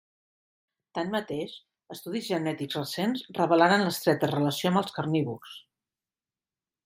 Tanmateix, estudis genètics recents revelaren l'estreta relació amb els carnívors.